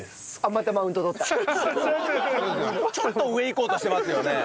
ちょっと上いこうとしてますよね。